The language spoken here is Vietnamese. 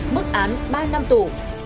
mức án ba năm tù